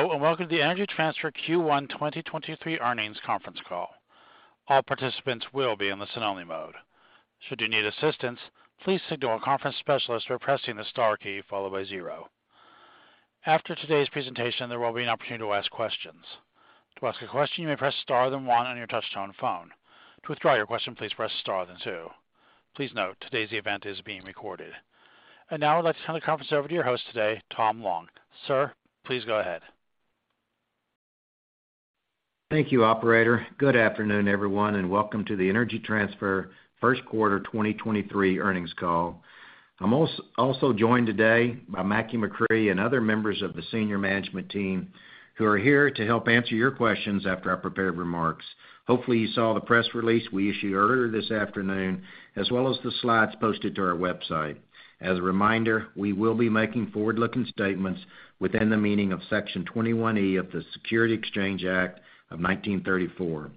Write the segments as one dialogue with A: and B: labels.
A: Hello, welcome to the Energy Transfer Q1 2023 Earnings conference call. All participants will be in listen only mode. Should you need assistance, please signal a conference specialist by pressing the star key followed by zero. After today's presentation, there will be an opportunity to ask questions. To ask a question, you may press star then one on your touchtone phone. To withdraw your question, please press star then two. Please note today's event is being recorded. Now I'd like to turn the conference over to your host today, Tom Long. Sir, please go ahead.
B: Thank you, operator. Good afternoon, everyone, and welcome to the Energy Transfer first quarter 2023 earnings call. I'm also joined today by Mackie McCrea and other members of the senior management team who are here to help answer your questions after our prepared remarks. Hopefully, you saw the press release we issued earlier this afternoon, as well as the slides posted to our website. As a reminder, we will be making forward-looking statements within the meaning of Section 21E of the Securities Exchange Act of 1934.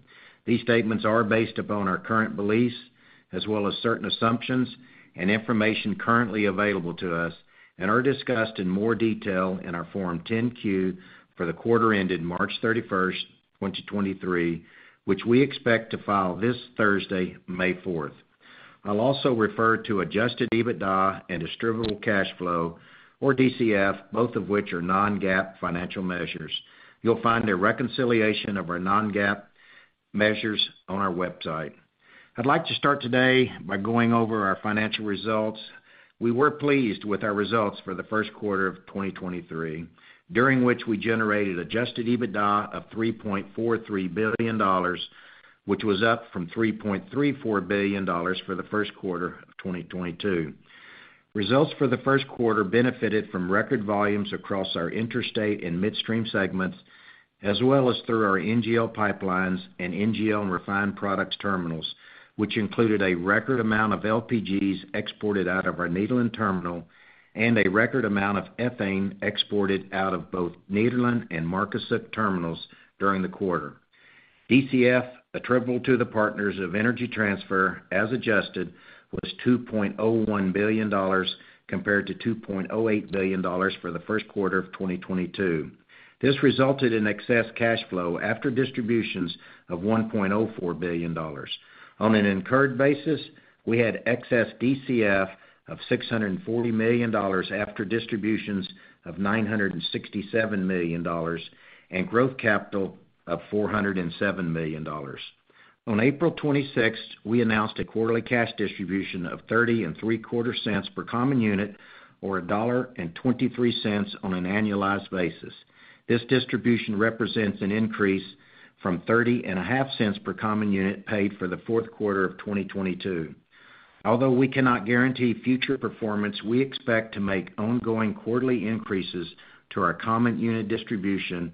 B: These statements are based upon our current beliefs as well as certain assumptions and information currently available to us and are discussed in more detail in our Form 10-Q for the quarter ended March 31, 2023, which we expect to file this Thursday, May 4. I'll also refer to adjusted EBITDA and distributable cash flow or DCF, both of which are non-GAAP financial measures. You'll find a reconciliation of our non-GAAP measures on our website. I'd like to start today by going over our financial results. We were pleased with our results for the first quarter of 2023, during which we generated adjusted EBITDA of $3.43 billion, which was up from $3.34 billion for the first quarter of 2022. Results for the first quarter benefited from record volumes across our interstate and midstream segments, as well as through our NGL pipelines and NGL refined products terminals, which included a record amount of LPGs exported out of our Nederland terminal and a record amount of ethane exported out of both Nederland and Marcus Hook terminals during the quarter. DCF attributable to the partners of Energy Transfer as adjusted was $2.01 billion compared to $2.08 billion for the first quarter of 2022. This resulted in excess cash flow after distributions of $1.04 billion. On an incurred basis, we had excess DCF of $640 million after distributions of $967 million and growth capital of $407 million. On April 26th, we announced a quarterly cash distribution of thirty and three quarter cents per common unit or $1.23 on an annualized basis. This distribution represents an increase from thirty and a half cents per common unit paid for the fourth quarter of 2022. Although we cannot guarantee future performance, we expect to make ongoing quarterly increases to our common unit distribution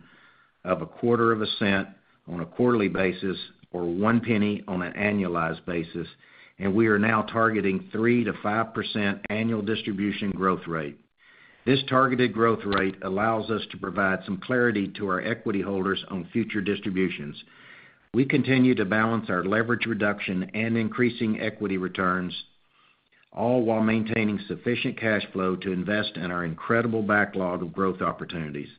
B: of a quarter of a cent on a quarterly basis or 1 penny on an annualized basis. We are now targeting 3%-5% annual distribution growth rate. This targeted growth rate allows us to provide some clarity to our equity holders on future distributions. We continue to balance our leverage reduction and increasing equity returns, all while maintaining sufficient cash flow to invest in our incredible backlog of growth opportunities.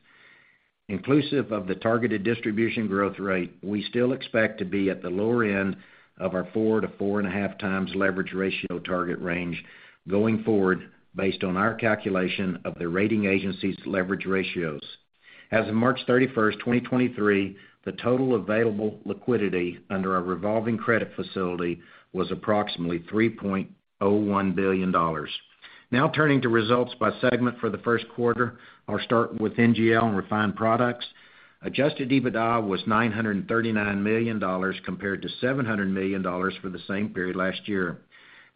B: Inclusive of the targeted distribution growth rate, we still expect to be at the lower end of our 4x-4.5x leverage ratio target range going forward based on our calculation of the rating agency's leverage ratios. As of March 31, 2023, the total available liquidity under our revolving credit facility was approximately $3.01 billion. Turning to results by segment for the first quarter. I'll start with NGL and refined products. adjusted EBITDA was $939 million compared to $700 million for the same period last year.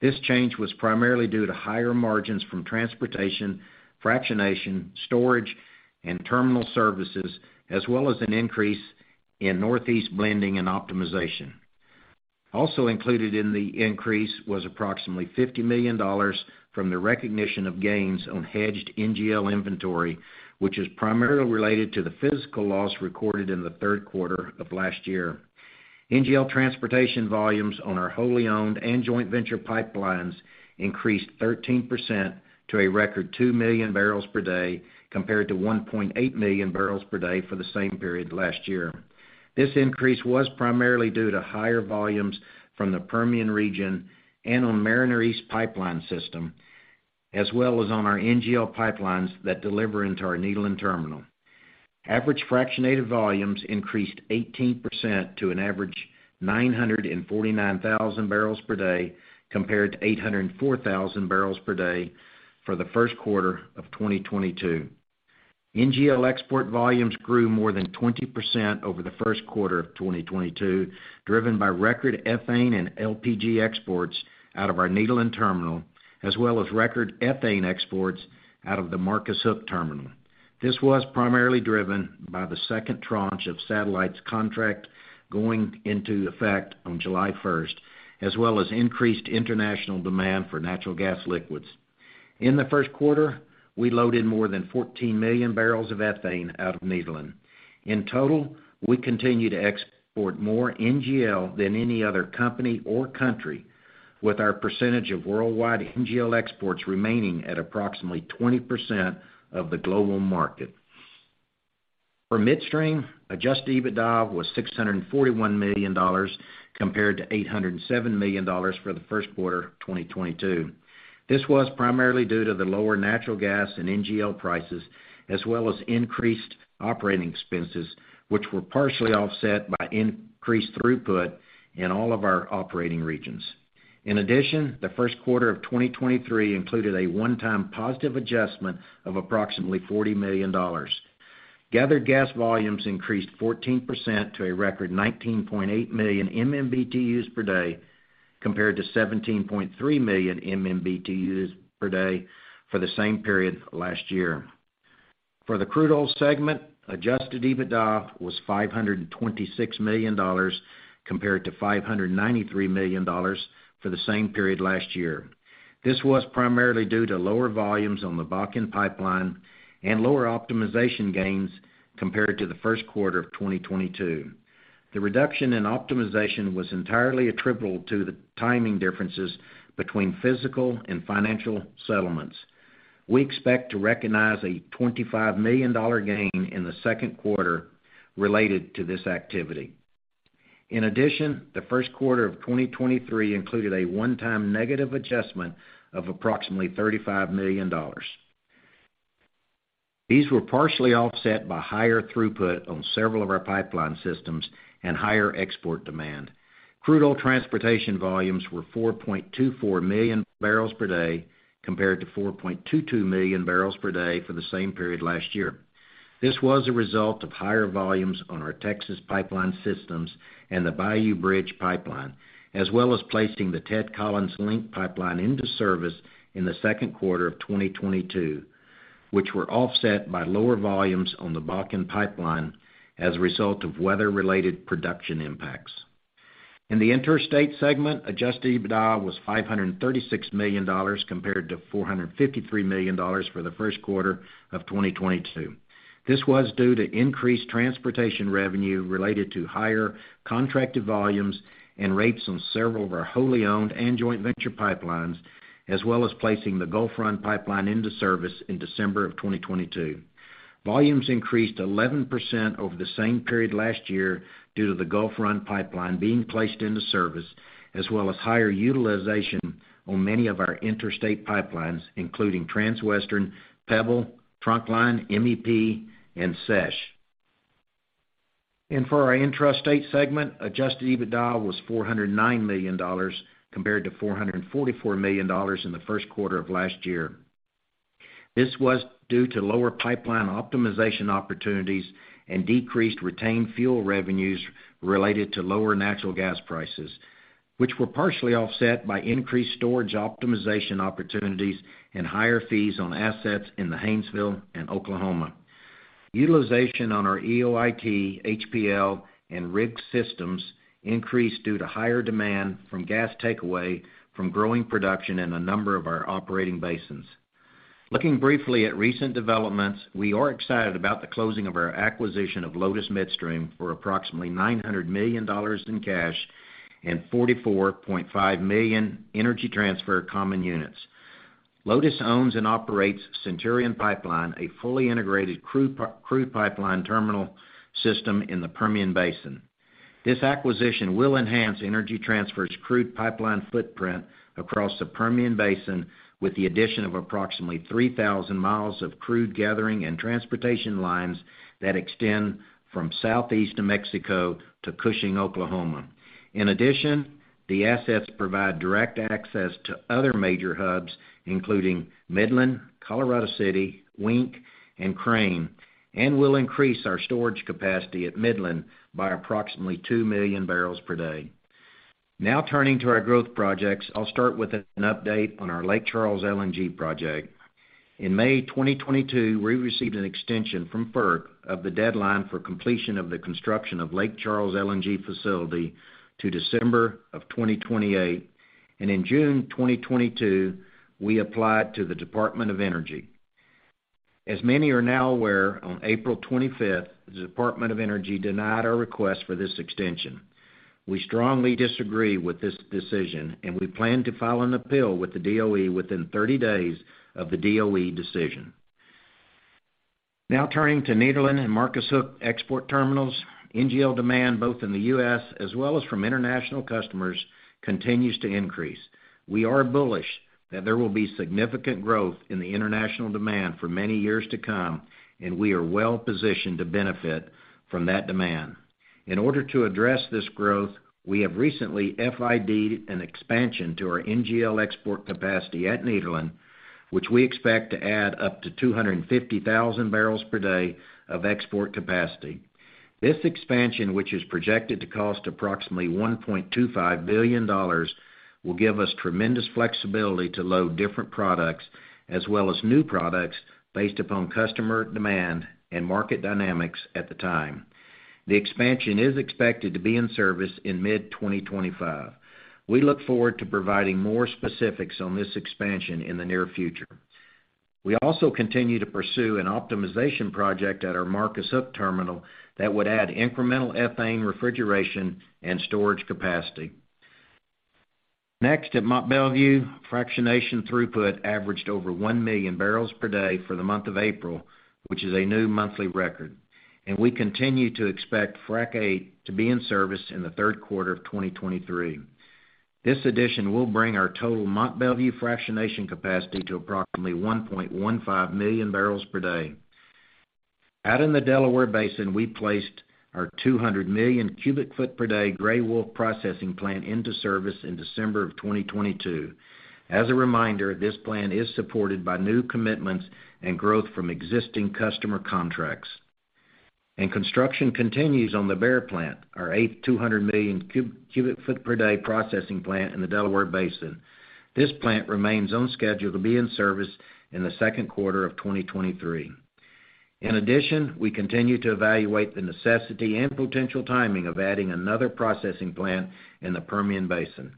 B: This change was primarily due to higher margins from transportation, fractionation, storage, and terminal services, as well as an increase in Northeast blending and optimization. Also included in the increase was approximately $50 million from the recognition of gains on hedged NGL inventory, which is primarily related to the physical loss recorded in the third quarter of last year. NGL transportation volumes on our wholly owned and joint venture pipelines increased 13% to a record 2 million barrels per day compared to 1.8 million barrels per day for the same period last year. This increase was primarily due to higher volumes from the Permian region and on Mariner East pipeline system, as well as on our NGL pipelines that deliver into our Nederland terminal. Average fractionated volumes increased 18% to an average 949,000 barrels per day compared to 804,000 barrels per day for the first quarter of 2022. NGL export volumes grew more than 20% over the first quarter of 2022, driven by record ethane and LPG exports out of our Nederland terminal, as well as record ethane exports out of the Marcus Hook terminal. This was primarily driven by the second tranche of Satellite's contract going into effect on July first, as well as increased international demand for natural gas liquids. In the first quarter, we loaded more than 14 million barrels of ethane out of Nederland total, we continue to export more NGL than any other company or country, with our percentage of worldwide NGL exports remaining at approximately 20% of the global market. For midstream, adjusted EBITDA was $641 million compared to $807 million for the first quarter of 2022. This was primarily due to the lower natural gas and NGL prices as well as increased operating expenses, which were partially offset by increased throughput in all of our operating regions. In addition, the first quarter of 2023 included a one-time positive adjustment of approximately $40 million. Gathered gas volumes increased 14% to a record 19.8 million MMBtus per day compared to 17.3 million MMBtus per day for the same period last year. For the crude oil segment, adjusted EBITDA was $526 million compared to $593 million for the same period last year. This was primarily due to lower volumes on the Bakken Pipeline and lower optimization gains compared to the first quarter of 2022. The reduction in optimization was entirely attributable to the timing differences between physical and financial settlements. We expect to recognize a $25 million gain in the second quarter related to this activity. The first quarter of 2023 included a onetime negative adjustment of approximately $35 million. These were partially offset by higher throughput on several of our pipeline systems and higher export demand. Crude oil transportation volumes were 4.24 million barrels per day compared to 4.22 million barrels per day for the same period last year. This was a result of higher volumes on our Texas pipeline systems and the Bayou Bridge Pipeline, as well as placing the Ted Collins Link pipeline into service in the second quarter of 2022, which were offset by lower volumes on the Bakken Pipeline as a result of weather-related production impacts. In the interstate segment, adjusted EBITDA was $536 million compared to $453 million for the first quarter of 2022. This was due to increased transportation revenue related to higher contracted volumes and rates on several of our wholly owned and joint venture pipelines, as well as placing the Gulf Run pipeline into service in December 2022. Volumes increased 11% over the same period last year due to the Gulf Run pipeline being placed into service, as well as higher utilization on many of our interstate pipelines, including Transwestern, Pebble, Trunkline, MEP, and SESH. For our intrastate segment, adjusted EBITDA was $409 million compared to $444 million in the first quarter of last year. This was due to lower pipeline optimization opportunities and decreased retained fuel revenues related to lower natural gas prices, which were partially offset by increased storage optimization opportunities and higher fees on assets in the Haynesville and Oklahoma. Utilization on our EOIT, HPL, and RIG systems increased due to higher demand from gas takeaway from growing production in a number of our operating basins. Looking briefly at recent developments, we are excited about the closing of our acquisition of Lotus Midstream for approximately $900 million in cash and 44.5 million Energy Transfer common units. Lotus owns and operates Centurion Pipeline, a fully integrated crude pipeline terminal system in the Permian Basin. This acquisition will enhance Energy Transfer's crude pipeline footprint across the Permian Basin with the addition of approximately 3,000 mi of crude gathering and transportation lines that extend from Southeast New Mexico to Cushing, Oklahoma. In addition, the assets provide direct access to other major hubs, including Midland, Colorado City, Wink, and Crane, and will increase our storage capacity at Midland by approximately 2 million barrels per day. Now, turning to our growth projects. I'll start with an update on our Lake Charles LNG project. In May 2022, we received an extension from FERC of the deadline for completion of the construction of Lake Charles LNG facility to December of 2028. In June 2022, we applied to the Department of Energy. As many are now aware, on April 25th, the Department of Energy denied our request for this extension. We strongly disagree with this decision, and we plan to file an appeal with the DOE within 30 days of the DOE decision. Now turning to Nederland and Marcus Hook export terminals. NGL demand both in the U.S. as well as from international customers continues to increase. We are bullish that there will be significant growth in the international demand for many years to come, and we are well-positioned to benefit from that demand. In order to address this growth, we have recently FIDed an expansion to our NGL export capacity at Nederland, which we expect to add up to 250,000 barrels per day of export capacity. This expansion, which is projected to cost approximately $1.25 billion, will give us tremendous flexibility to load different products as well as new products based upon customer demand and market dynamics at the time. The expansion is expected to be in service in mid-2025. We look forward to providing more specifics on this expansion in the near future. We also continue to pursue an optimization project at our Marcus Hook terminal that would add incremental ethane refrigeration and storage capacity. Next, at Mont Belvieu, fractionation throughput averaged over 1 million barrels per day for the month of April, which is a new monthly record. We continue to expect Frac VIII to be in service in the third quarter of 2023. This addition will bring our total Mont Belvieu fractionation capacity to approximately 1.15 million barrels per day. Out in the Delaware Basin, we placed our 200 million cubic foot per day Grey Wolf processing plant into service in December of 2022. As a reminder, this plant is supported by new commitments and growth from existing customer contracts. Construction continues on the Bear Plant, our eighth 200 million cubic foot per day processing plant in the Delaware Basin. This plant remains on schedule to be in service in the second quarter of 2023. In addition, we continue to evaluate the necessity and potential timing of adding another processing plant in the Permian Basin.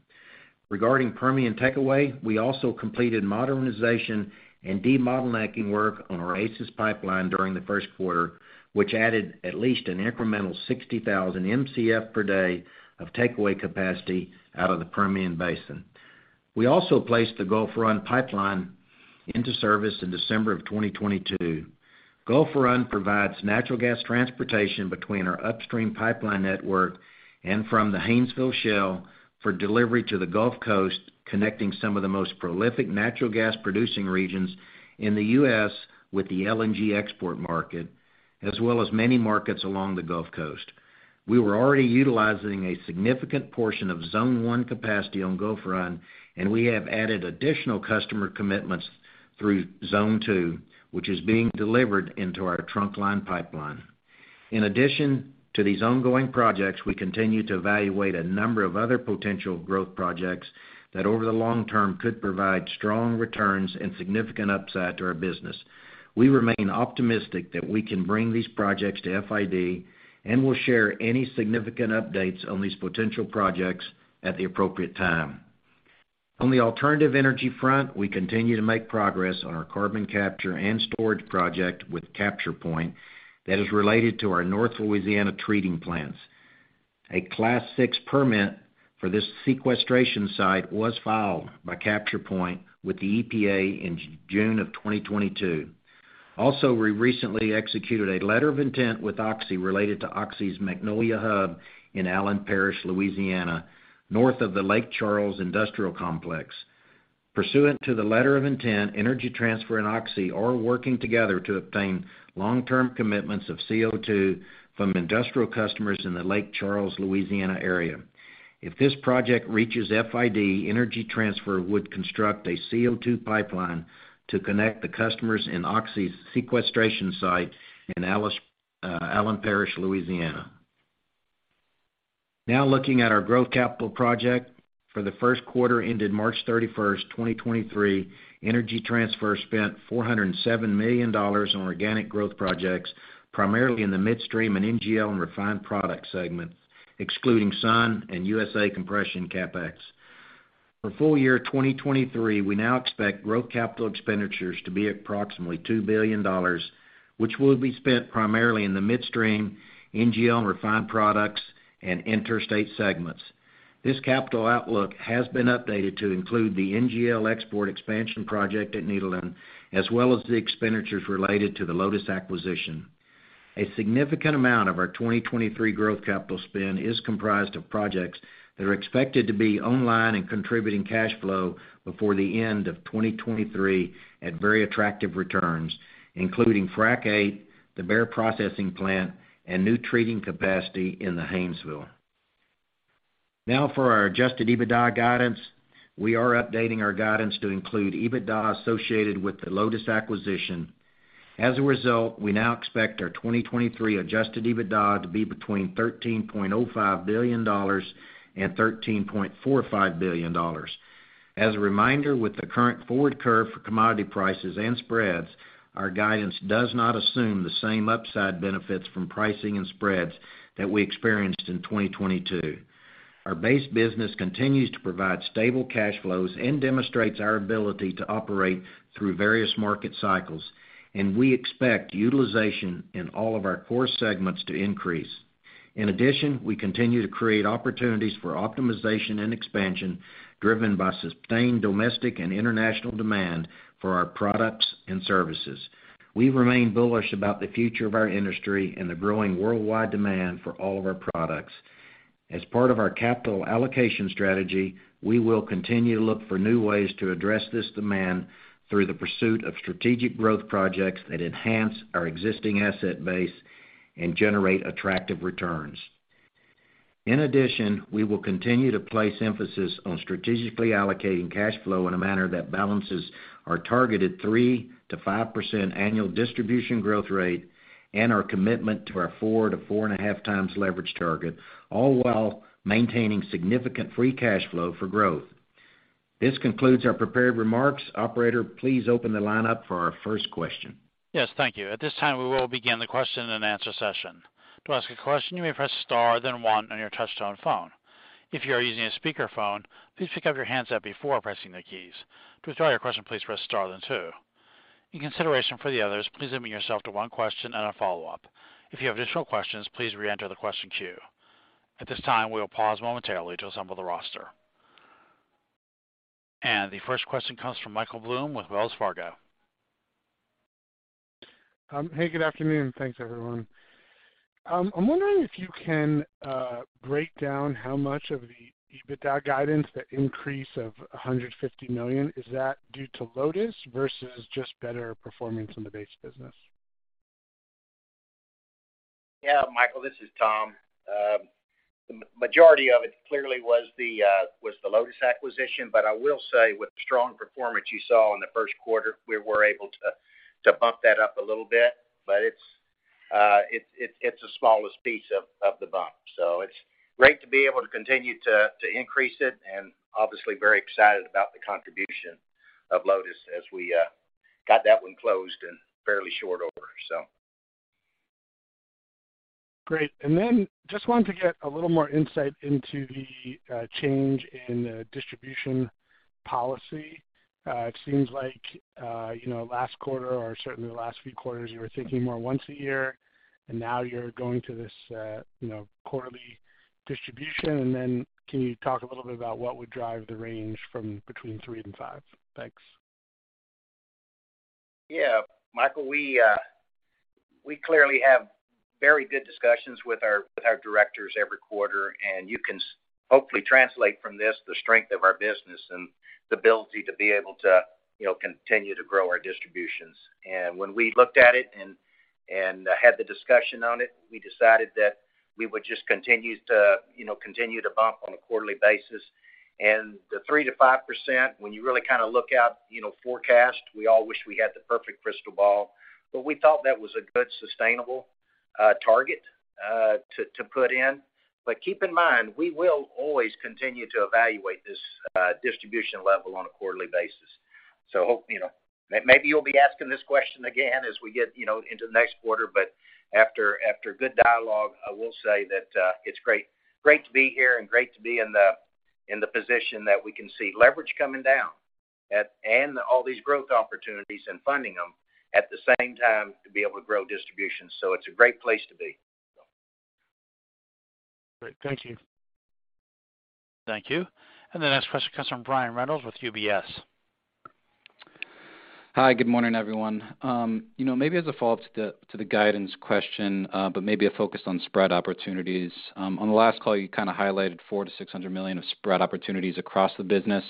B: Regarding Permian takeaway, we also completed modernization and demodulating work on our Oasis pipeline during the first quarter, which added at least an incremental 60,000 Mcf per day of takeaway capacity out of the Permian Basin. We also placed the Gulf Run pipeline into service in December 2022. Gulf Run provides natural gas transportation between our upstream pipeline network and from the Haynesville Shale for delivery to the Gulf Coast, connecting some of the most prolific natural gas producing regions in the U.S. with the LNG export market, as well as many markets along the Gulf Coast. We were already utilizing a significant portion of Zone 1 capacity on Gulf Run, and we have added additional customer commitments through Zone 2, which is being delivered into our Trunkline pipeline. In addition to these ongoing projects, we continue to evaluate a number of other potential growth projects that over the long term could provide strong returns and significant upside to our business. We remain optimistic that we can bring these projects to FID, and we'll share any significant updates on these potential projects at the appropriate time. On the alternative energy front, we continue to make progress on our carbon capture and storage project with CapturePoint that is related to our North Louisiana treating plants. A Class VI permit for this sequestration site was filed by CapturePoint with the EPA in June of 2022. We recently executed a letter of intent with Oxy related to Oxy's Magnolia Hub in Allen Parish, Louisiana, north of the Lake Charles Industrial Complex. Pursuant to the letter of intent, Energy Transfer and Oxy are working together to obtain long-term commitments of CO2 from industrial customers in the Lake Charles, Louisiana area. If this project reaches FID, Energy Transfer would construct a CO2 pipeline to connect the customers in Allen Parish, Louisiana. Looking at our growth capital project. For the first quarter ended March 31, 2023, Energy Transfer spent $407 million on organic growth projects, primarily in the Midstream and NGL and Refined Products segment, excluding Sun and USA Compression CapEx. For full year 2023, we now expect growth capital expenditures to be approximately $2 billion, which will be spent primarily in the Midstream, NGL and Refined Products and Interstate segments. This capital outlook has been updated to include the NGL export expansion project at Nederland, as well as the expenditures related to the Lotus acquisition. A significant amount of our 2023 growth capital spend is comprised of projects that are expected to be online and contributing cash flow before the end of 2023 at very attractive returns, including Frac VIII, the Bear Plant, and new treating capacity in the Haynesville. For our adjusted EBITDA guidance. We are updating our guidance to include EBITDA associated with the Lotus acquisition. We now expect our 2023 adjusted EBITDA to be between $13.05 billion and $13.45 billion. As a reminder, with the current forward curve for commodity prices and spreads, our guidance does not assume the same upside benefits from pricing and spreads that we experienced in 2022. Our base business continues to provide stable cash flows and demonstrates our ability to operate through various market cycles, and we expect utilization in all of our core segments to increase. In addition, we continue to create opportunities for optimization and expansion driven by sustained domestic and international demand for our products and services. We remain bullish about the future of our industry and the growing worldwide demand for all of our products. As part of our capital allocation strategy, we will continue to look for new ways to address this demand through the pursuit of strategic growth projects that enhance our existing asset base and generate attractive returns. In addition, we will continue to place emphasis on strategically allocating cash flow in a manner that balances our targeted 3%-5% annual distribution growth rate and our commitment to our 4x-4.5x leverage target, all while maintaining significant free cash flow for growth. This concludes our prepared remarks. Operator, please open the line up for our first question.
A: Yes. Thank you. At this time, we will begin the question and answer session. To ask a question, you may press star one on your touchtone phone. If you are using a speakerphone, please pick up your handset before pressing the keys. To withdraw your question, please press star two. In consideration for the others, please limit yourself to one question and a follow-up. If you have additional questions, please re-enter the question queue. At this time, we will pause momentarily to assemble the roster. The first question comes from Michael Blum with Wells Fargo.
C: Hey, good afternoon. Thanks, everyone. I'm wondering if you can break down how much of the EBITDA guidance, the increase of $150 million, is that due to Lotus versus just better performance in the base business?
B: Yeah, Michael, this is Tom. Majority of it clearly was the Lotus acquisition. With the strong performance you saw in the first quarter, we were able to bump that up a little bit, but it's the smallest piece of the bump. It's great to be able to continue to increase it. Very excited about the contribution of Lotus as we got that one closed in fairly short order.
C: Great. Just wanted to get a little more insight into the change in distribution policy. It seems like, you know, last quarter or certainly the last few quarters, you were thinking more once a year, and now you're going to this, you know, quarterly distribution. Can you talk a little bit about what would drive the range from between 3 and 5? Thanks.
B: Yeah. Michael, we clearly have very good discussions with our directors every quarter. You can hopefully translate from this the strength of our business and the ability to be able to, you know, continue to grow our distributions. When we looked at it and had the discussion on it, we decided that we would just continue to bump on a quarterly basis. The 3%-5%, when you really kind of look out, you know, forecast, we all wish we had the perfect crystal ball, but we thought that was a good sustainable target to put in. Keep in mind, we will always continue to evaluate this distribution level on a quarterly basis. Hope, you know, maybe you'll be asking this question again as we get, you know, into the next quarter. After good dialogue, I will say that it's great to be here and great to be in the position that we can see leverage coming down and all these growth opportunities and funding them at the same time to be able to grow distribution. It's a great place to be.
C: Great. Thank you.
A: Thank you. The next question comes from Brian Reynolds with UBS.
D: Hi, good morning, everyone. you know, maybe as a follow-up to the guidance question, but maybe a focus on spread opportunities. On the last call, you kind of highlighted $400 million-$600 million of spread opportunities across the business.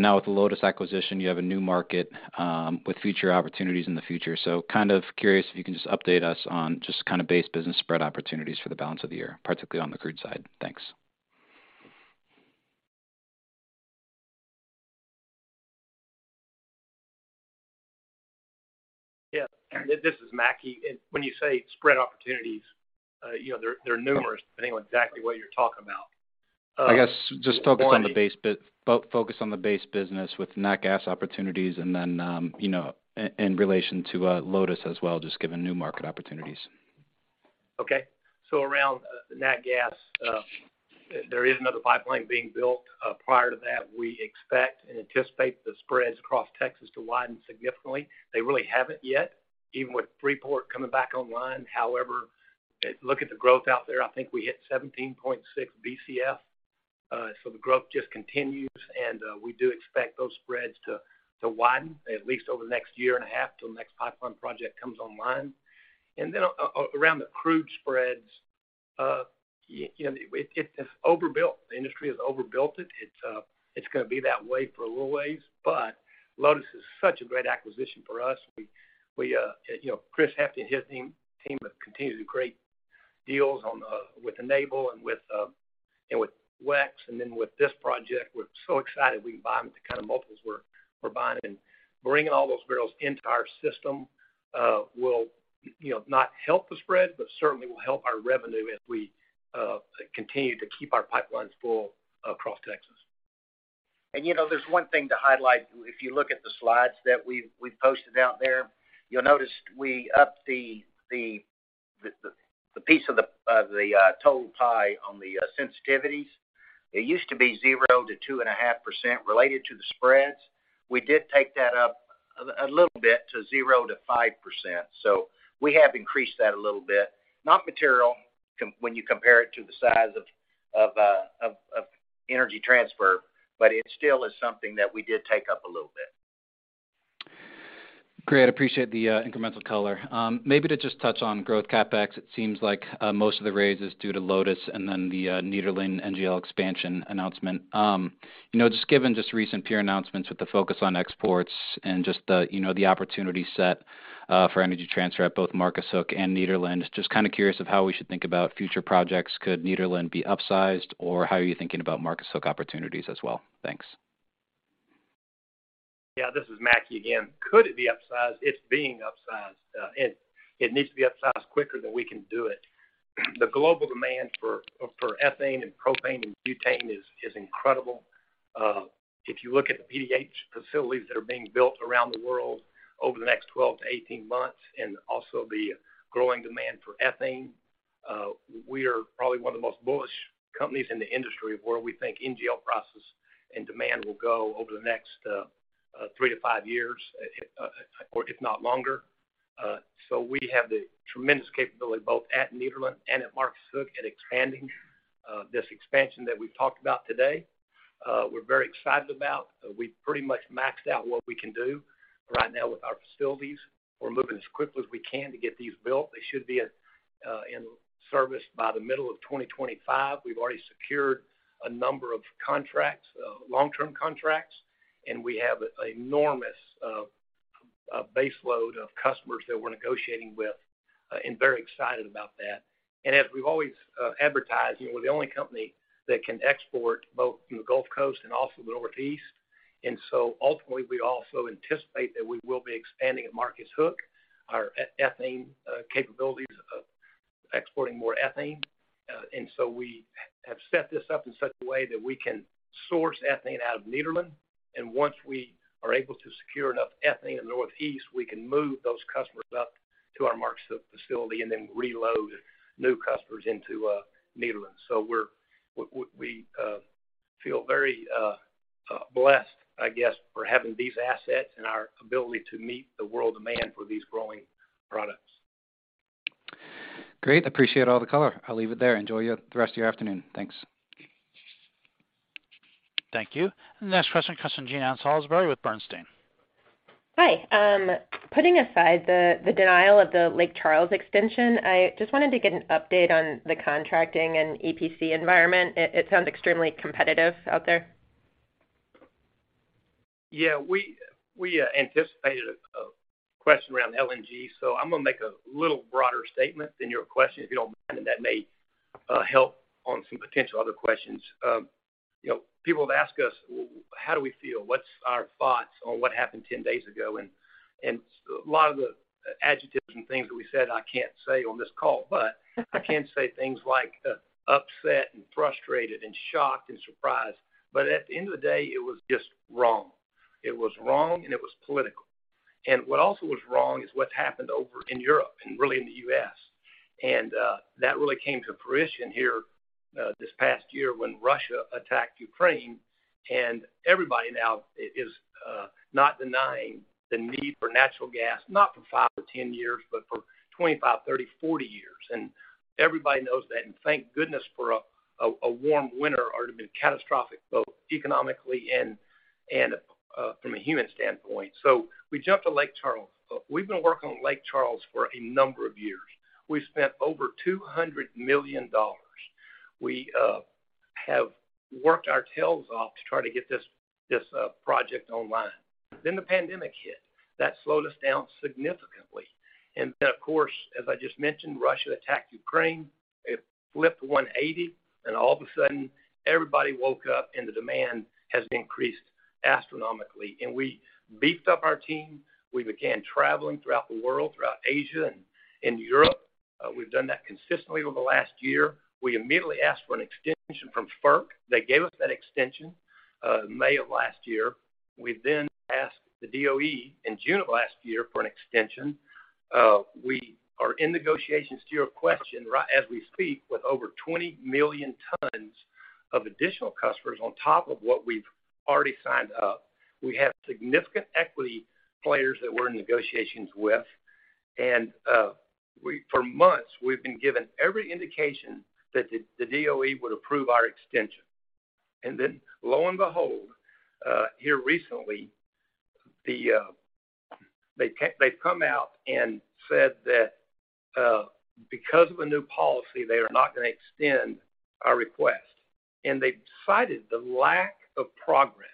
D: Now with the Lotus acquisition, you have a new market, with future opportunities in the future. Kind of curious if you can just update us on just kind of base business spread opportunities for the balance of the year, particularly on the crude side. Thanks.
E: Yeah. This is Mackie. When you say spread opportunities, you know, they're numerous, depending on exactly what you're talking about.
D: I guess, just focus on the base business with nat gas opportunities. Then, you know, in relation to Lotus as well, just given new market opportunities.
E: Okay. Around the nat gas, there is another pipeline being built. Prior to that, we expect and anticipate the spreads across Texas to widen significantly. They really haven't yet, even with Freeport coming back online. However, look at the growth out there. I think we hit 17.6 BCF. The growth just continues, and we do expect those spreads to widen at least over the next year and a half till the next pipeline project comes online. Around the crude spreads, you know, it's overbuilt. The industry has overbuilt it. It's gonna be that way for a little ways, but Lotus is such a great acquisition for us. We, you know, Christopher Hefty and his team have continued to create deals on with Enable and with WEX. With this project, we're so excited we can buy them at the kind of multiples we're buying. Bringing all those barrels into our system, will, you know, not help the spread, but certainly will help our revenue as we continue to keep our pipelines full across Texas.
B: you know, there's one thing to highlight. If you look at the slides that we've posted out there, you'll notice we upped the piece of the total pie on the sensitivities. It used to be 0% to 2.5% related to the spreads. We did take that up a little bit to 0% to 5%. We have increased that a little bit. Not material when you compare it to the size of Energy Transfer, but it still is something that we did take up a little bit.
D: Great. I appreciate the incremental color. Maybe to just touch on growth CapEx, it seems like most of the raise is due to Lotus and then the Nederland NGL expansion announcement. You know, just given just recent peer announcements with the focus on exports and just the, you know, the opportunity set for Energy Transfer at both Marcus Hook and Nederland, just kind of curious of how we should think about future projects. Could Nederland be upsized, or how are you thinking about Marcus Hook opportunities as well? Thanks.
E: This is Mackie again. Could it be upsized? It's being upsized, and it needs to be upsized quicker than we can do it. The global demand for ethane and propane and butane is incredible. If you look at the PDH facilities that are being built around the world over the next 12months-18 months, and also the growing demand for ethane, we are probably one of the most bullish companies in the industry where we think NGL process and demand will go over the next three to five years, or if not longer. We have the tremendous capability both at Nederland and at Marcus Hook at expanding, this expansion that we've talked about today. We're very excited about. We've pretty much maxed out what we can do right now with our facilities. We're moving as quickly as we can to get these built. They should be in service by the middle of 2025. We've already secured a number of contracts, long-term contracts, and we have enormous baseload of customers that we're negotiating with, and very excited about that. As we've always advertised, you know, we're the only company that can export both from the Gulf Coast and also the Northeast. Ultimately, we also anticipate that we will be expanding at Marcus Hook our ethane capabilities of exporting more ethane. We have set this up in such a way that we can source ethane out of Nederland. Once we are able to secure enough ethane in Northeast, we can move those customers up to our Marcus Hook facility and then reload new customers into Nederland. We feel very blessed, I guess, for having these assets and our ability to meet the world demand for these growing products.
D: Great. Appreciate all the color. I'll leave it there. Enjoy the rest of your afternoon. Thanks.
A: Thank you. The next question comes from Jean Ann Salisbury with Bernstein.
F: Hi. Putting aside the denial of the Lake Charles extension, I just wanted to get an update on the contracting and EPC environment. It sounds extremely competitive out there.
E: Yeah, we anticipated a question around LNG, so I'm gonna make a little broader statement than your question, if you don't mind, and that may help on some potential other questions. You know, people have asked us, how do we feel? What's our thoughts on what happened 10 days ago? A lot of the adjectives and things that we said, I can't say on this call, but I can say things like upset and frustrated and shocked and surprised. At the end of the day, it was just wrong. It was wrong, and it was political. What also was wrong is what's happened over in Europe and really in the U.S. That really came to fruition here this past year when Russia attacked Ukraine, and everybody now is not denying the need for natural gas, not for five to 10 years, but for 25, 30, 40 years. Everybody knows that. Thank goodness for a warm winter or it would've been catastrophic, both economically and from a human standpoint. We jump to Lake Charles. We've been working on Lake Charles for a number of years. We've spent over $200 million. We have worked our tails off to try to get this project online. The pandemic hit. That slowed us down significantly. Of course, as I just mentioned, Russia attacked Ukraine. It flipped 180, and all of a sudden everybody woke up and the demand has increased astronomically. We beefed up our team. We began traveling throughout the world, throughout Asia and Europe. We've done that consistently over the last year. We immediately asked for an extension from FERC. They gave us that extension, May of last year. We asked the DOE in June of last year for an extension. We are in negotiations to your question, as we speak, with over 20 million tons of additional customers on top of what we've already signed up. We have significant equity players that we're in negotiations with. For months, we've been given every indication that the DOE would approve our extension. Lo and behold, here recently, they've come out and said that, because of a new policy, they are not gonna extend our request. They cited the lack of progress.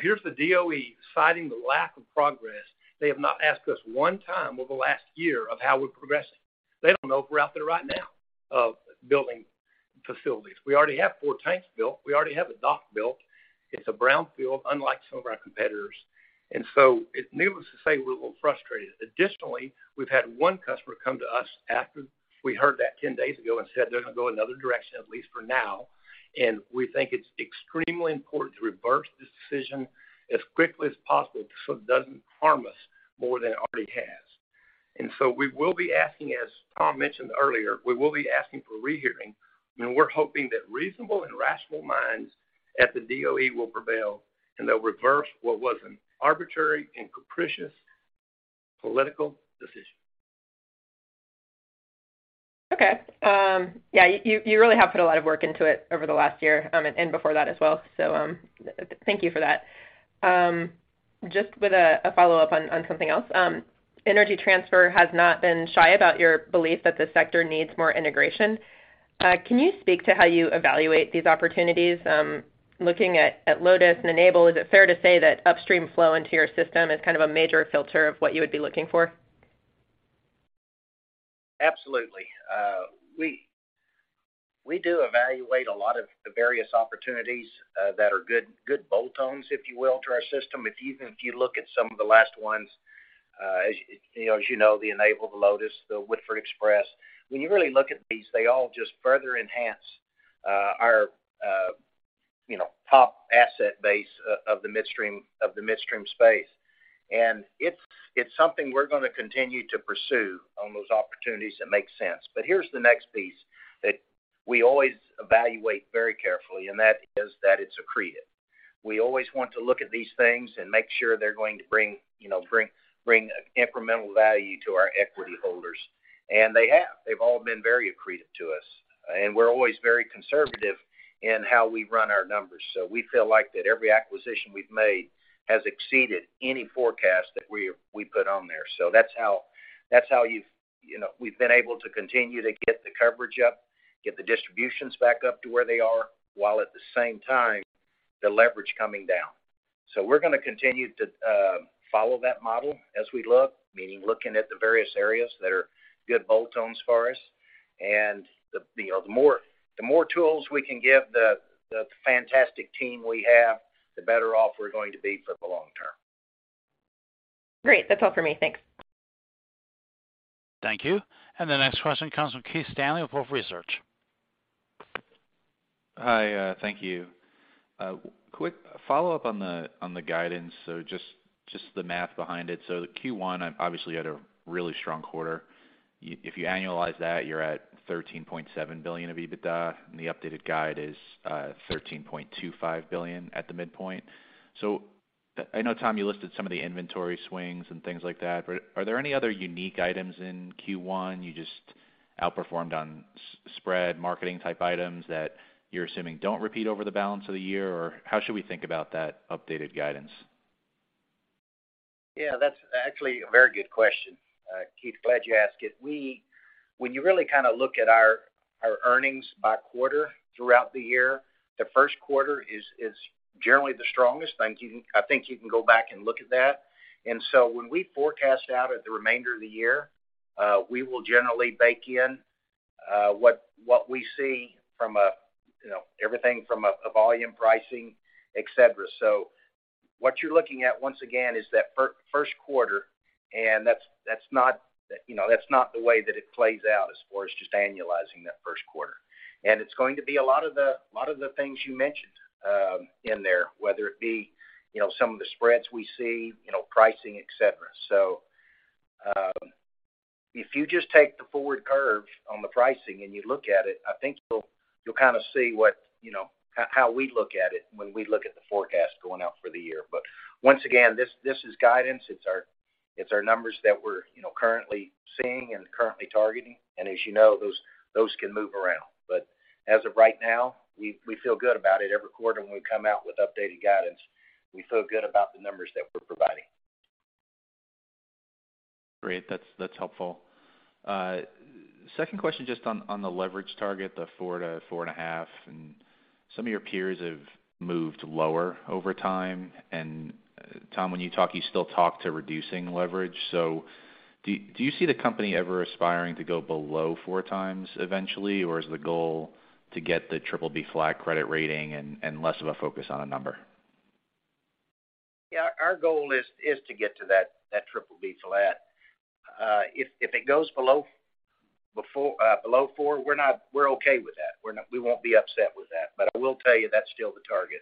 E: Here's the DOE citing the lack of progress. They have not asked us one time over the last year of how we're progressing. They don't know if we're out there right now, building facilities. We already have four tanks built. We already have a dock built. It's a brownfield, unlike some of our competitors. Needless to say, we're a little frustrated. Additionally, we've had one customer come to us after we heard that 10 days ago and said they're gonna go another direction, at least for now. We think it's extremely important to reverse this decision as quickly as possible so it doesn't harm us more than it already has. We will be asking, as Tom mentioned earlier, we will be asking for a rehearing, and we're hoping that reasonable and rational minds at the DOE will prevail, and they'll reverse what was an arbitrary and capricious political decision.
F: Okay. Yeah, you really have put a lot of work into it over the last year, and before that as well. Thank you for that. Just with a follow-up on something else. Energy Transfer has not been shy about your belief that the sector needs more integration. Can you speak to how you evaluate these opportunities? Looking at Lotus and Enable, is it fair to say that upstream flow into your system is kind of a major filter of what you would be looking for?
B: Absolutely. We do evaluate a lot of the various opportunities that are good bolt-ons, if you will, to our system. Even if you look at some of the last ones, as you know, the Enable, the Lotus, the Woodford Express. When you really look at these, they all just further enhance our, you know, top asset base of the midstream space. It's something we're gonna continue to pursue on those opportunities that make sense. Here's the next piece that we always evaluate very carefully, and that is that it's accretive. We always want to look at these things and make sure they're going to bring, you know, incremental value to our equity holders. They have. They've all been very accretive to us. We're always very conservative in how we run our numbers. We feel like that every acquisition we've made has exceeded any forecast that we put on there. That's how you've. You know, we've been able to continue to get the coverage up, get the distributions back up to where they are, while at the same time, the leverage coming down. We're gonna continue to follow that model as we look, meaning looking at the various areas that are good bolt-ons for us. The, you know, the more tools we can give the fantastic team we have, the better off we're going to be for the long term.
G: Great. That's all for me. Thanks.
A: Thank you. The next question comes from Keith Stanley with Wolfe Research.
G: Hi, thank you. Quick follow-up on the guidance. Just the math behind it. The Q1, obviously you had a really strong quarter. If you annualize that, you're at $13.7 billion of EBITDA, and the updated guide is, $13.25 billion at the midpoint. I know, Tom, you listed some of the inventory swings and things like that, but are there any other unique items in Q1 you just outperformed on spread marketing type items that you're assuming don't repeat over the balance of the year? Or how should we think about that updated guidance?
B: Yeah, that's actually a very good question, Keith. Glad you asked it. When you really kind of look at our earnings by quarter throughout the year, the first quarter is generally the strongest. I think you can go back and look at that. When we forecast out at the remainder of the year, we will generally bake in what we see from a, you know, everything from a volume pricing, et cetera. What you're looking at once again is that first quarter, and that's not, you know, that's not the way that it plays out as far as just annualizing that first quarter. It's going to be a lot of the things you mentioned in there, whether it be, you know, some of the spreads we see, you know, pricing, et cetera. If you just take the forward curve on the pricing and you look at it, I think you'll kind of see what, you know, how we look at it when we look at the forecast going out for the year. Once again, this is guidance. It's our numbers that we're, you know, currently seeing and currently targeting. As you know, those can move around. As of right now, we feel good about it. Every quarter when we come out with updated guidance, we feel good about the numbers that we're providing.
G: Great. That's helpful. Second question just on the leverage target, the four to 4.5, and some of your peers have moved lower over time. Tom, when you talk, you still talk to reducing leverage. Do you see the company ever aspiring to go below 4x eventually? Or is the goal to get the BBB flat credit rating and less of a focus on a number?
B: Yeah. Our goal is to get to that BBB flat. If it goes below four, we're okay with that. We won't be upset with that, I will tell you that's still the target.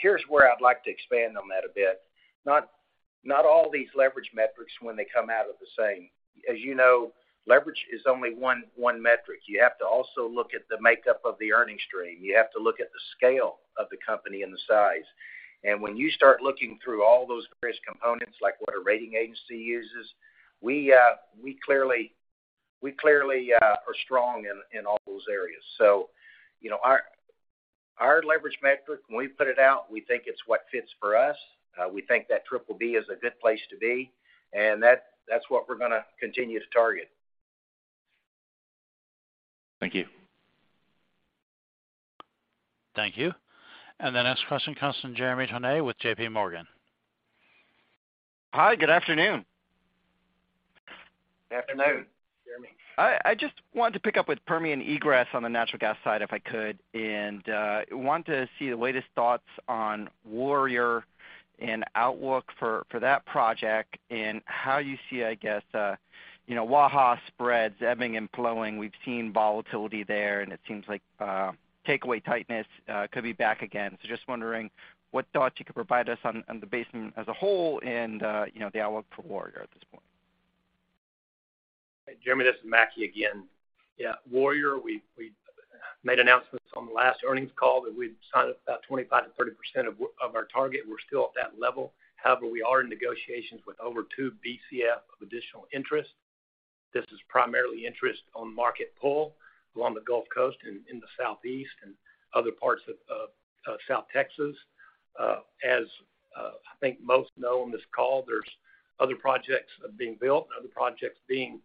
B: Here's where I'd like to expand on that a bit. Not all these leverage metrics when they come out are the same. As you know, leverage is only one metric. You have to also look at the makeup of the earning stream. You have to look at the scale of the company and the size. When you start looking through all those various components, like what a rating agency uses, we clearly are strong in all those areas. you know, our leverage metric, when we put it out, we think it's what fits for us. We think that BBB is a good place to be, and that's what we're gonna continue to target.
G: Thank you.
A: Thank you. The next question comes from Jeremy Tonet with JPMorgan.
H: Hi, good afternoon.
B: Afternoon, Jeremy.
H: I just wanted to pick up with Permian egress on the natural gas side, if I could. Want to see the latest thoughts on Warrior and outlook for that project and how you see, I guess, you know, Waha spreads ebbing and flowing. We've seen volatility there, and it seems like takeaway tightness could be back again. Just wondering what thoughts you could provide us on the basin as a whole and, you know, the outlook for Warrior at this point.
B: Jeremy, this is Mackie McCrea again. Warrior, we made announcements on the last earnings call that we'd signed up about 25%-30% of our target. We're still at that level. However, we are in negotiations with over two Bcf of additional interest. This is primarily interest on market pull along the Gulf Coast and in the Southeast and other parts of South Texas. As I think most know on this call, there's other projects being built and other projects being,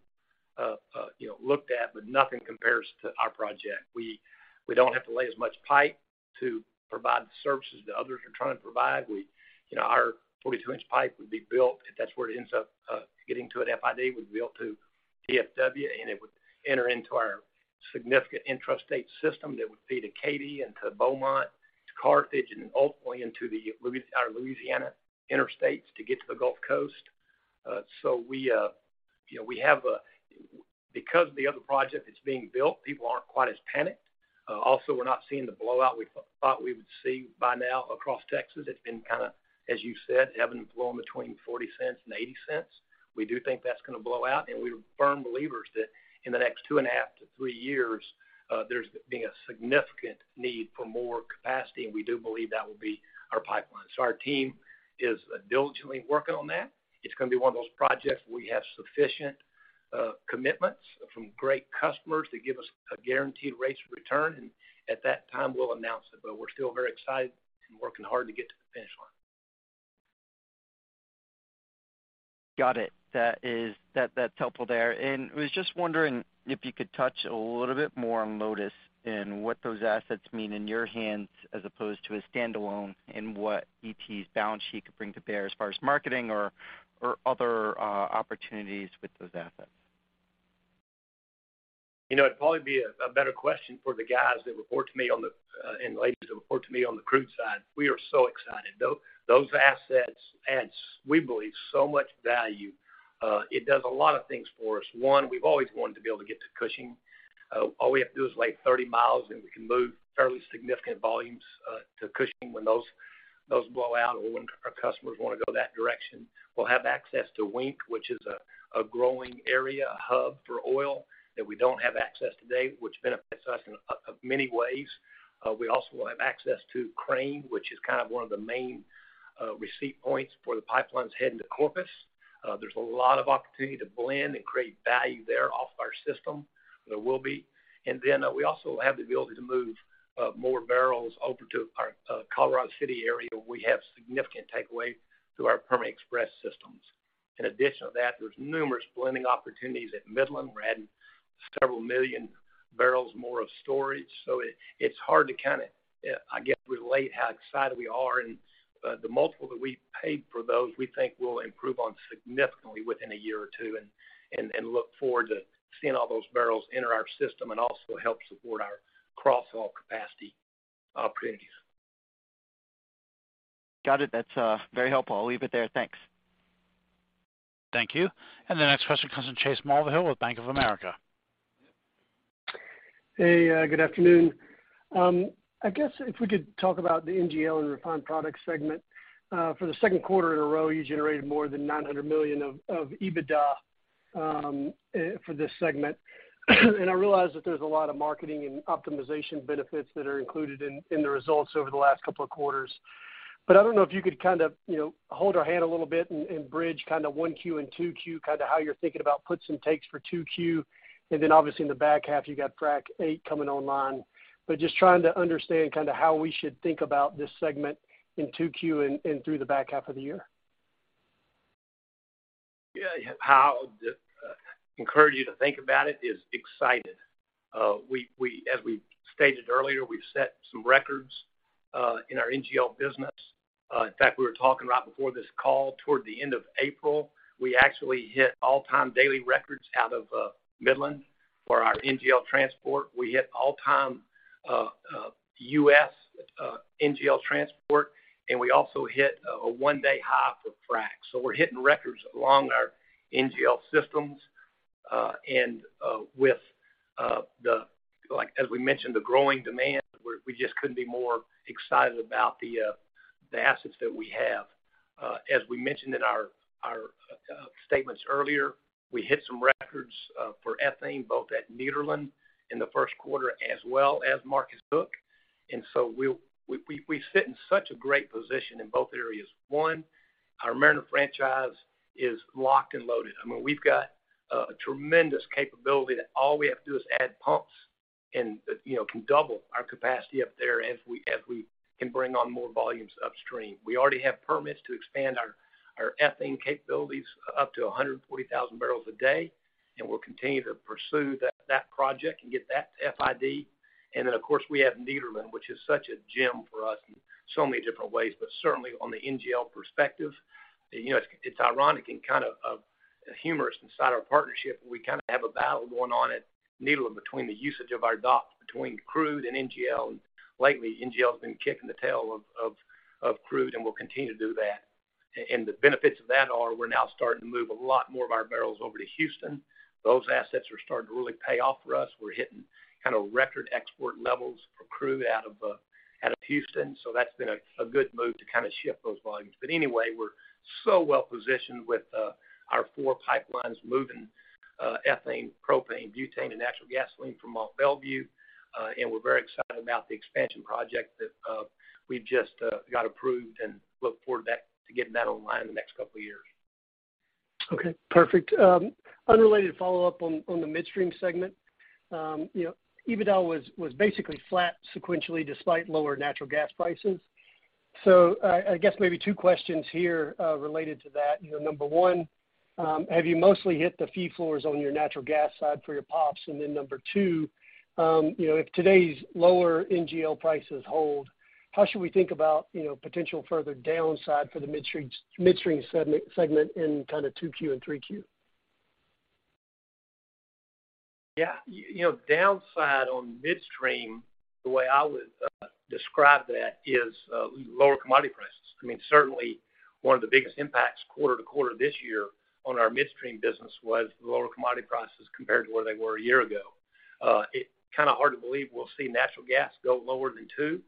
B: you know, looked at, but nothing compares to our project. We don't have to lay as much pipe.
E: To provide the services that others are trying to provide. You know, our 42-inch pipe would be built if that's where it ends up, getting to an FID, would be built to DFW, and it would enter into our significant intrastate system that would feed to Katy, and to Beaumont, to Carthage, and ultimately into our Louisiana interstates to get to the Gulf Coast. We, you know, because of the other project that's being built, people aren't quite as panicked. Also, we're not seeing the blowout we thought we would see by now across Texas. It's been kind of, as you said, having blown between $0.40 and $0.80. We do think that's gonna blow out, and we're firm believers that in the next two and a half to three years, there's being a significant need for more capacity, and we do believe that will be our pipeline. Our team is diligently working on that. It's gonna be one of those projects we have sufficient commitments from great customers that give us a guaranteed rates of return. At that time, we'll announce it. We're still very excited and working hard to get to the finish line.
G: Got it. That's helpful there. Was just wondering if you could touch a little bit more on Lotus and what those assets mean in your hands as opposed to a standalone, and what ET's balance sheet could bring to bear as far as marketing or other opportunities with those assets.
E: You know, it'd probably be a better question for the guys that report to me on the and ladies that report to me on the crude side. We are so excited. Those assets adds, we believe, so much value. It does a lot of things for us. One, we've always wanted to be able to get to Cushing. All we have to do is lay 30 mi, and we can move fairly significant volumes to Cushing when those blow out or when our customers wanna go that direction. We'll have access to Wink, which is a growing area, a hub for oil that we don't have access today, which benefits us in many ways. We also will have access to Crane, which is kind of one of the main receipt points for the pipelines heading to Corpus. There's a lot of opportunity to blend and create value there off our system. There will be. Then, we also have the ability to move more barrels over to our Colorado City area, where we have significant takeaway through our Permian Express systems. In addition to that, there's numerous blending opportunities at Midland. We're adding several million barrels more of storage. It's hard to kind of, I guess, relate how excited we are. The multiple that we paid for those, we think will improve on significantly within a year or two, and look forward to seeing all those barrels enter our system and also help support our cross-sell capacity priorities.
G: Got it. That's very helpful. I'll leave it there. Thanks.
A: Thank you. The next question comes from Chase Mulvehill with Bank of America.
I: Hey, good afternoon. I guess if we could talk about the NGL and refined products segment. For the second quarter in a row, you generated more than $900 million of EBITDA for this segment. I realize that there's a lot of marketing and optimization benefits that are included in the results over the last couple of quarters. I don't know if you could kind of, you know, hold our hand a little bit and bridge kind of 1Q and 2Q, kind of how you're thinking about puts and takes for 2Q. Then obviously in the back half, you got Frac VIII coming online. Just trying to understand kind of how we should think about this segment in 2Q and through the back half of the year.
E: Yeah, how encourage you to think about it is excited. We, as we stated earlier, we've set some records in our NGL business. In fact, we were talking right before this call toward the end of April, we actually hit all-time daily records out of Midland for our NGL transport. We hit all-time U.S. NGL transport, and we also hit a one-day high for Frac. We're hitting records along our NGL systems, and with the, like as we mentioned, the growing demand, we just couldn't be more excited about the assets that we have. As we mentioned in our statements earlier, we hit some records for ethane, both at Nederland in the first quarter as well as Marcus Hook. We sit in such a great position in both areas. One, our Mariner East franchise is locked and loaded. I mean, we've got a tremendous capability that all we have to do is add pumps and, you know, can double our capacity up there as we can bring on more volumes upstream. We already have permits to expand our ethane capabilities up to 140,000 barrels a day, and we'll continue to pursue that project and get that to FID. Then, of course, we have Nederland, which is such a gem for us in so many different ways. Certainly on the NGL perspective, you know, it's ironic and kind of humorous inside our partnership, we kind of have a battle going on at Nederland between the usage of our docks between crude and NGL. Lately, NGLs been kicking the tail of crude and will continue to do that. The benefits of that are we're now starting to move a lot more of our barrels over to Houston. Those assets are starting to really pay off for us. We're hitting kind of record export levels for crude out of Houston. That's been a good move to kind of shift those volumes. Anyway, we're so well positioned with our four pipelines moving ethane, propane, butane, and natural gasoline from Mont Belvieu. We're very excited about the expansion project that we've just got approved and look forward to getting that online in the next couple of years.
I: Okay, perfect. Unrelated follow-up on the midstream segment. You know, EBITDA was basically flat sequentially despite lower natural gas prices. I guess maybe two questions here, related to that. You know, number one, have you mostly hit the fee floors on your natural gas side for your POPs? Then number two, you know, if today's lower NGL prices hold, how should we think about, you know, potential further downside for the midstream segment in kind of 2Q and 3Q?
E: Yeah. You know, downside on midstream, the way I would describe that is lower commodity prices. I mean, certainly one of the biggest impacts quarter-to-quarter this year on our midstream business was lower commodity prices compared to where they were a year ago. It kind of hard to believe we'll see natural gas go lower than two.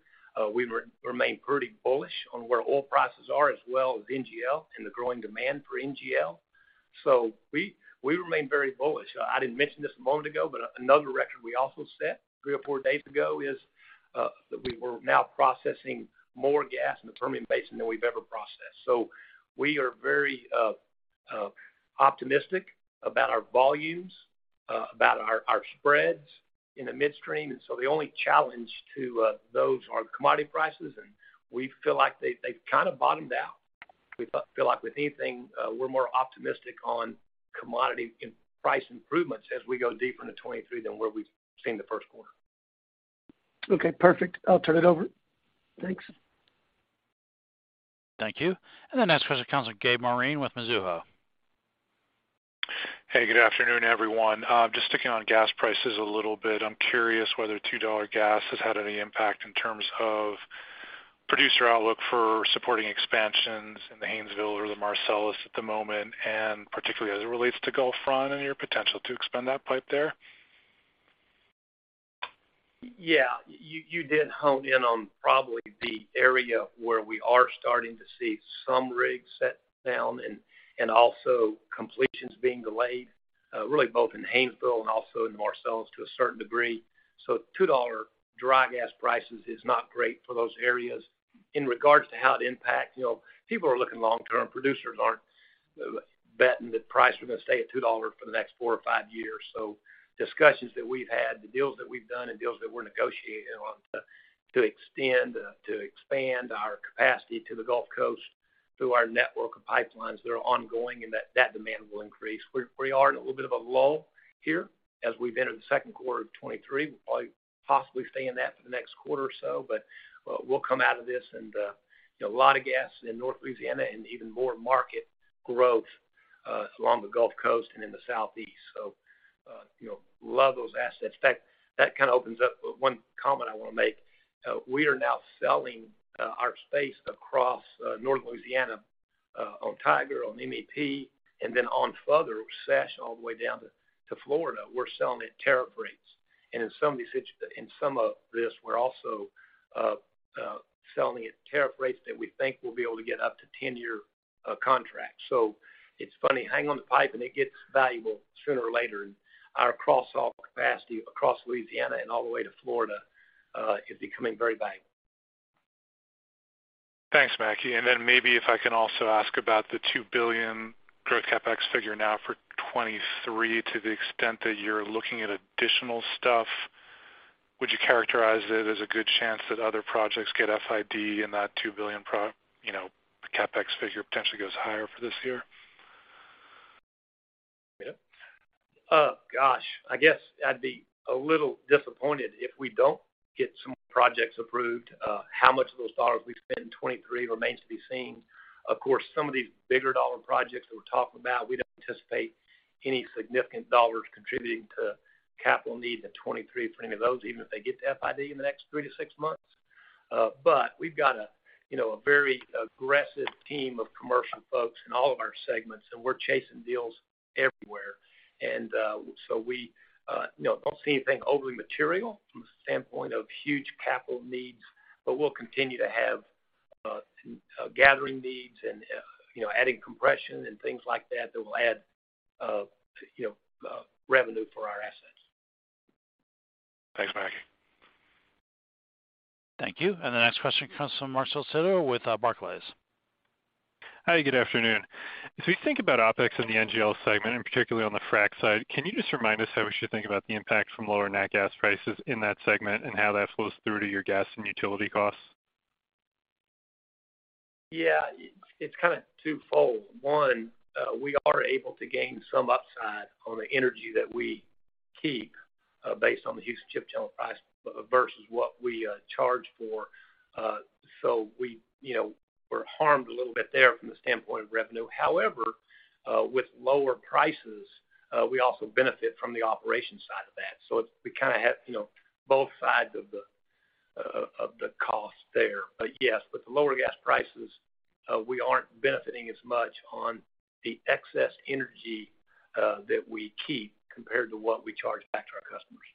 E: We remain pretty bullish on where oil prices are as well as NGL and the growing demand for NGL. We remain very bullish. I didn't mention this a moment ago, but another record we also set three or four days ago is that we were now processing more gas in the Permian Basin than we've ever processed. We are very optimistic about our volumes, about our spreads in the midstream. The only challenge to those are commodity prices, and we feel like they've kind of bottomed out. We feel like with anything, we're more optimistic on commodity and price improvements as we go deeper into 2023 than where we've seen the first quarter.
I: Okay, perfect. I'll turn it over. Thanks.
A: Thank you. The next question comes with Gabe Moreen with Mizuho.
J: Hey, good afternoon, everyone. Just sticking on gas prices a little bit, I'm curious whether $2 gas has had any impact in terms of producer outlook for supporting expansions in the Haynesville or the Marcellus at the moment, and particularly as it relates to Gulf Run and your potential to expand that pipe there.
E: Yeah. You did hone in on probably the area where we are starting to see some rigs set down and also completions being delayed, really both in Haynesville and also in Marcellus to a certain degree. Dry gas prices is not great for those areas. In regards to how it impacts, you know, people are looking long-term. Producers aren't betting that price are gonna stay at $2 for the next four or years. Discussions that we've had, the deals that we've done and deals that we're negotiating on to extend, to expand our capacity to the Gulf Coast through our network of pipelines, they're ongoing and that demand will increase. We are in a little bit of a lull here as we've entered the second quarter of 2023. We'll probably possibly stay in that for the next quarter or so, but we'll come out of this and, you know, a lot of gas in North Louisiana and even more market growth along the Gulf Coast and in the southeast. you know, love those assets. In fact, that kind of opens up one comment I wanna make. We are now selling our space across North Louisiana on Tiger, on MEP, and then on further with SESH all the way down to Florida. We're selling at tariff rates. In some of this, we're also selling at tariff rates that we think will be able to get up to 10-year contracts. It's funny, hang on the pipe and it gets valuable sooner or later. Our cross-sell capacity across Louisiana and all the way to Florida is becoming very valuable.
J: Thanks, Mackie. Maybe if I can also ask about the $2 billion growth CapEx figure now for 2023, to the extent that you're looking at additional stuff, would you characterize it as a good chance that other projects get FID and that $2 billion you know, the CapEx figure potentially goes higher for this year?
E: Gosh, I guess I'd be a little disappointed if we don't get some projects approved. How much of those dollars we spend in 23 remains to be seen. Of course, some of these bigger dollar projects that we're talking about, we don't anticipate any significant dollars contributing to capital needs in 23 for any of those, even if they get to FID in the next 3-6 months. We've got a, you know, a very aggressive team of commercial folks in all of our segments, and we're chasing deals everywhere. We, you know, don't see anything overly material from the standpoint of huge capital needs, but we'll continue to have gathering needs and, you know, adding compression and things like that will add, you know, revenue for our assets.
J: Thanks, Mackie.
A: Thank you. The next question comes from Marc Solecitto with Barclays.
K: Hi, good afternoon. If we think about OpEx in the NGL segment, and particularly on the frack side, can you just remind us how we should think about the impact from lower nat gas prices in that segment and how that flows through to your gas and utility costs?
E: It's kind of twofold. One, we are able to gain some upside on the energy that we keep, based on the Houston Ship Channel price versus what we charge for. So we, you know, we're harmed a little bit there from the standpoint of revenue. With lower prices, we also benefit from the operations side of that. We kinda have, you know, both sides of the cost there. Yes, with the lower gas prices, we aren't benefiting as much on the excess energy, that we keep compared to what we charge back to our customers.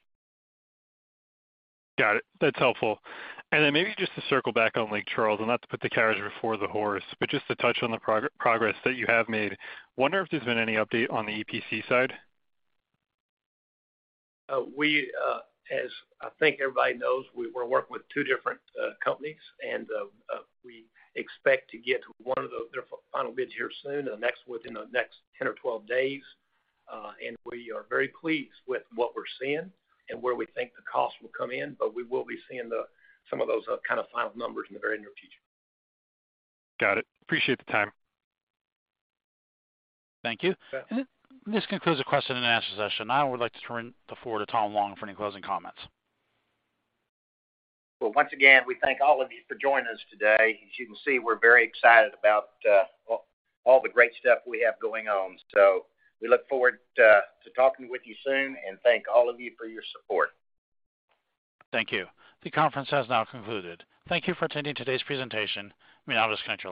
K: Got it. That's helpful. Then maybe just to circle back on Lake Charles, and not to put the carriage before the horse, but just to touch on the progress that you have made. Wonder if there's been any update on the EPC side?
E: We, as I think everybody knows, we're working with two different companies, and we expect to get one of their final bids here soon, within the next 10 or 12 days. We are very pleased with what we're seeing and where we think the cost will come in, but we will be seeing some of those kind of final numbers in the very near future.
K: Got it. Appreciate the time.
A: Thank you.
E: Yeah.
A: This concludes the question and answer session. Now I would like to turn the floor to Tom Long for any closing comments.
E: Well, once again, we thank all of you for joining us today. As you can see, we're very excited about all the great stuff we have going on. We look forward to talking with you soon and thank all of you for your support.
A: Thank you. The conference has now concluded. Thank you for attending today's presentation. We now disconnect your-.